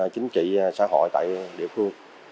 chính trị xã hội tại địa phương